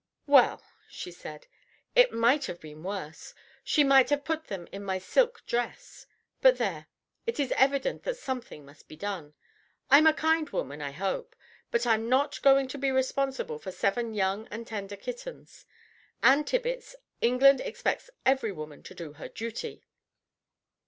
"Well," she said, "it might have been worse. She might have put them in my silk dress. But there it is evident that something must be done. I'm a kind woman, I hope, but I'm not going to be responsible for seven young and tender kittens. Ann Tibbits, England expects every woman to do her duty!"